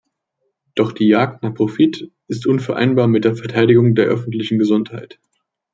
Doch die Jagd nach Profit ist unvereinbar mit der Verteidigung der öffentlichen Gesundheit.